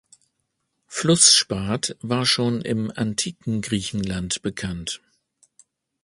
Flussspat war schon im antiken Griechenland bekannt.